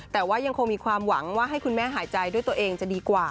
แต่ว่ายังคงมีความหวังว่าให้คุณแม่หายใจด้วยตัวเองจะดีกว่า